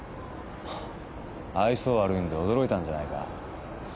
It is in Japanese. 愛想悪いんで驚いたんじゃないか？